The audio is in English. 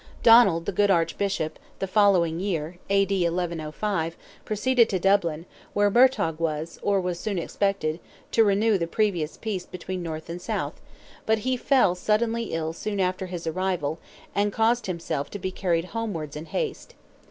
Donald, the good Archbishop, the following year (A.D. 1105) proceeded to Dublin, where Murtogh was, or was soon expected, to renew the previous peace between North and South, but he fell suddenly ill soon after his arrival, and caused himself to be carried homewards in haste.